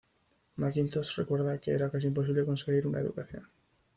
McIntosh recuerda que "era casi imposible conseguir una educación.